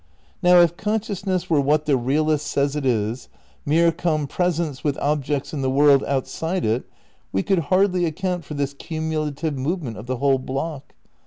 Now if consciousness were what the realist says it is, mere compresence with objects in the world outside it, we could hardly account for this cumulative move ment of the whole block.